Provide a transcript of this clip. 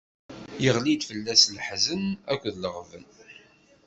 Iɣli-d fell-as leḥzen akked leɣben.